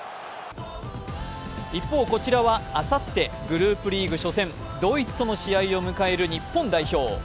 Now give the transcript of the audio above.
一方、こちらは、あさってグループリーグ初戦、ドイツとの試合を迎える日本代表。